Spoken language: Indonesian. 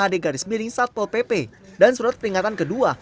dan surat peringatan kedua